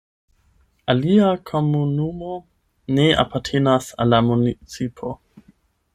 Alia komunumo ne apartenas al la municipo.